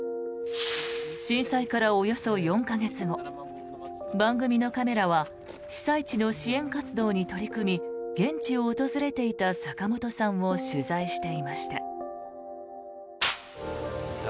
震災からおよそ４か月後番組のカメラは被災地の支援活動に取り組み現地を訪れていた坂本さんを取材していました。